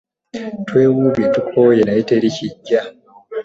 Twewuubye tukooye naye teri kijja.